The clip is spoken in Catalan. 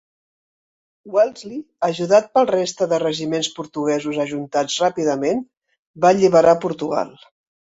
Wellesley, ajudat pel reste de regiments portuguesos ajuntats ràpidament, va alliberar Portugal.